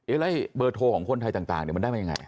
แล้วเบอร์โทรของคนไทยต่างมันได้มายังไง